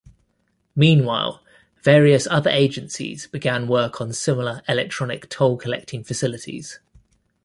Meanwhile, various other agencies began work on similar electronic toll collecting facilities.